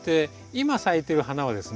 今咲いてる花はですね